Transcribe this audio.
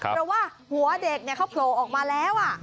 เพราะว่าหัวเด็กเขาโผล่ออกมาแล้ว